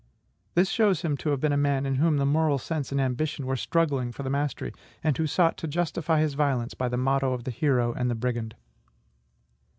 This shows him to have been a man in whom the moral sense and ambition were struggling for the mastery, and who sought to justify his violence by the motto of the hero and the brigand.